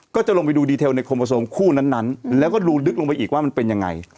ก็จะลงไปดูดีเทลในโคโมโซมคู่นั้นแล้วก็ดูลึกลงไปอีกว่ามันเป็นยังไง